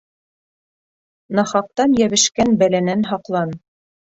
Нахаҡтан йәбешкән бәләнән һаҡлан.